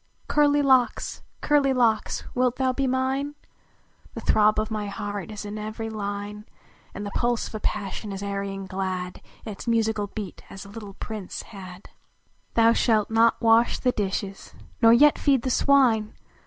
Curly Locks ! Curly Locks ! wilt thou be mine? The throb of my heart is in every line. And the pulse of a passion as airy and g\a.d In its musical beat as the little Prince had! 32 CURLY LOCKS Thou shalt not wash the dishes, nor yet feed the swine